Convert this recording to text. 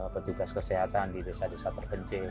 petugas kesehatan di desa desa terpencil